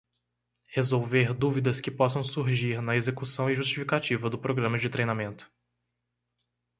Resolver dúvidas que possam surgir na execução e justificativa do programa de treinamento.